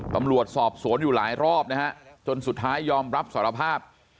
ตำรวจสอบสวนอยู่หลายรอบนะฮะจนสุดท้ายยอมรับสารภาพ